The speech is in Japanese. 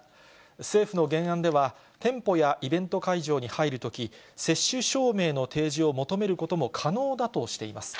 政府の原案では、店舗やイベント会場に入るとき、接種証明の提示を求めることも可能だとしています。